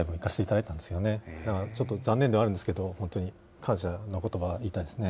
だからちょっと残念ではあるんですけど、本当に感謝のことばを言いたいですね。